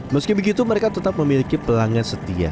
meski begitu mereka tetap memiliki pelanggan setia